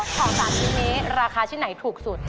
ของ๓ชิ้นนี้ราคาชิ้นไหนถูกสุด